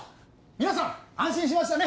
皆さん安心しましたね。